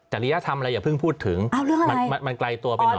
ริยธรรมอะไรอย่าเพิ่งพูดถึงมันไกลตัวไปหน่อย